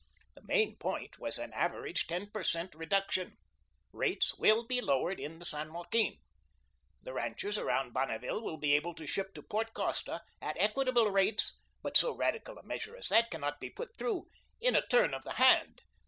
The main point was AN AVERAGE TEN PER CENT. REDUCTION. Rates WILL be lowered in the San Joaquin. The ranchers around Bonneville will be able to ship to Port Costa at equitable rates, but so radical a measure as that cannot be put through in a turn of the hand.